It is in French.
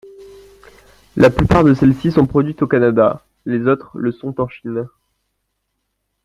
La plupart de celles-ci sont produites au Canada, les autres le sont en Chine.